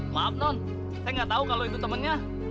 maaf non saya nggak tahu kalau itu temannya